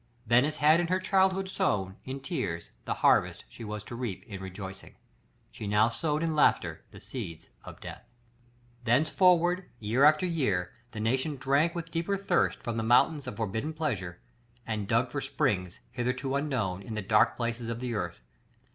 Venice had in her childhood sown, in tears, the harvest she was to reap in rejoicing. She now sowed in laughter the seeds of death. Thenceforward, year after year, the nation drank with deeper thirst from the fountains of forbidden pleasure, and dug for springs, hitherto unknown, in the dark places of the earth.